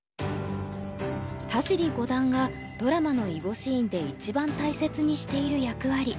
田尻五段がドラマの囲碁シーンで一番大切にしている役割